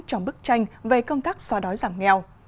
trong bức tranh về công tác xóa đói giảm nghèo